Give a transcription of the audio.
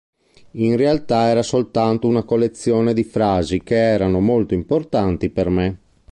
In realtà era soltanto una collezione di frasi che erano molto importanti per me.